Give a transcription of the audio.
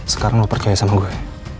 sekarang lo percaya sama gue